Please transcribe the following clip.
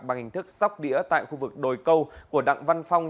bằng hình thức sóc đĩa tại khu vực đồi câu của đặng văn phong